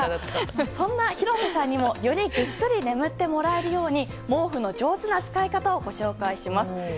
そんな広瀬さんにもよりぐっすり眠ってもらえるように毛布の上手な使い方をご紹介します。